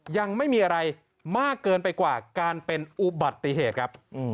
ยังไม่มีอะไรมากเกินไปกว่าการเป็นอุบัติเหตุครับ